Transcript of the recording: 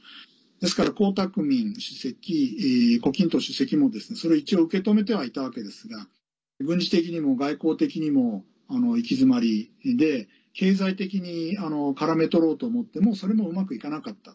ですから、江沢民主席胡錦涛主席もですね、それを一応受け止めてはいたわけですが軍事的にも外交的にも行き詰まり経済的に絡め取ろうと思ってもそれも、うまくいかなかった。